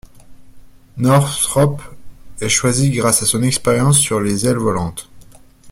Northrop est choisi grâce à son expérience sur les ailes volantes.